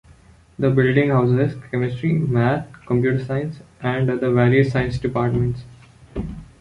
The building houses chemistry, math, computer science, and other various science departments.